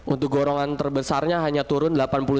untuk golongan terbesarnya hanya turun delapan puluh sembilan